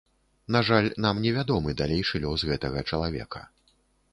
На жаль, нам не вядомы далейшы лёс гэтага чалавека.